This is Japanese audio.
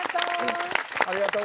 ありがとう！